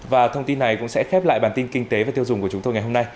và thông tin này cũng sẽ khép lại bản tin kinh tế và tiêu dùng của chúng tôi ngày hôm nay